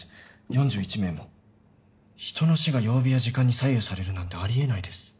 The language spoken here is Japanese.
４１名も人の死が曜日や時間に左右されるなんてありえないです